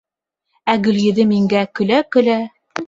Ә Гөлйөҙөм еңгә көлә-көлә: